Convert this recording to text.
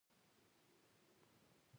پارلمان د رخصتۍ غوښتنه یې رد کړه.